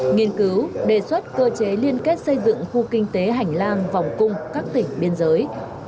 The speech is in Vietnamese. nghiên cứu đề xuất cơ chế liên kết xây dựng khu kinh tế hành lang vòng cung các tỉnh biên giới